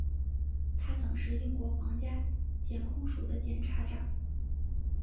他曾是英国皇家检控署的检察长。